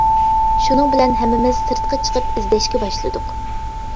شۇنىڭ بىلەن ھەممىمىز سىرتقا چىقىپ ئىزدەشكە باشلىدۇق.